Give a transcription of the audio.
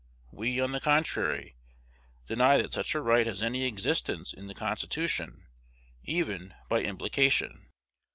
We, on the contrary, deny that such a right has any existence in the Constitution, even by implication.